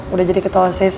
udah jadi ketolsis